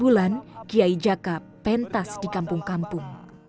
bulan kiai jakab pentas di kampung kampung